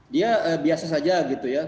dia biasa saja gitu ya